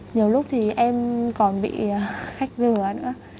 nhiều lúc thì em còn bị khách lừa nữa